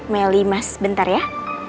meli mas bentar ya